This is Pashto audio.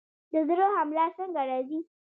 د زړه حمله څنګه راځي؟